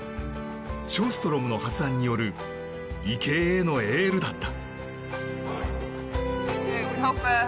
ショーストロムの発案による池江へのエールだった。